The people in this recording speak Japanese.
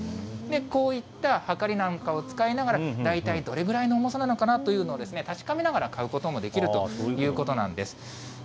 こういったはかりなんかを使いながら、大体どれぐらいの重さなのかなというのを確かめながら買うことができるということなんです。